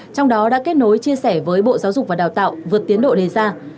trong đó đã kết nối chia sẻ với bộ giáo dục và đào tạo vượt tiến độ đề ra